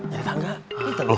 cari tangga gitu loh